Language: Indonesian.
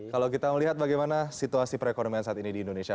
kalau kita melihat bagaimana situasi perekonomian saat ini di indonesia